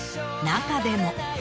中でも。